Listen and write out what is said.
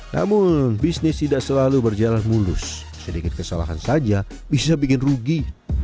namun bisnis tidak selalu berjalan mulus sedikit kesalahan saja bisa bikin rugi